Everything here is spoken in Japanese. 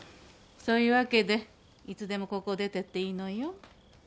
そういうわけでいつでもここを出ていっていいのよ。